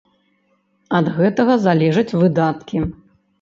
Ад гэтага залежаць выдаткі.